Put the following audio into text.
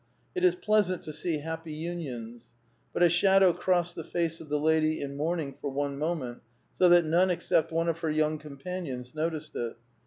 It is pleasant to see happy unions. But a shadow crossed the face of the lady in mourning for one moment, so that none except one of her young companions noticed it.